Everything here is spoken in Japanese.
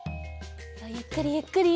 ゆっくりゆっくり。